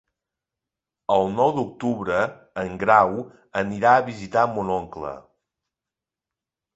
El nou d'octubre en Grau anirà a visitar mon oncle.